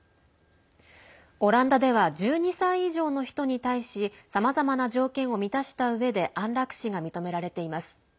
オランダでは１２歳以上の人に対しさまざまな条件を満たしたうえで安楽死が認められています。